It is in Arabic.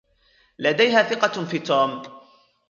لديها ثقة في توم.